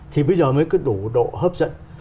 thì bây giờ mới có đủ độ hấp dẫn